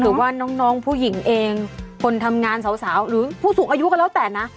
หรือว่าน้องผู้หญิงเองคนทำงานสาวหรือผู้สูงอายุก็แล้วแต่นะ